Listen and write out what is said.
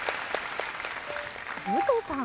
武藤さん。